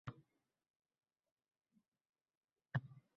Va bunda diniy ta’lim olgan kishilar